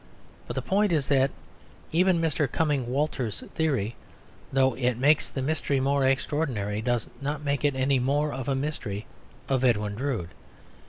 But the point is that even Mr. Cumming Walters's theory, though it makes the mystery more extraordinary, does not make it any more of a mystery of Edwin Drood.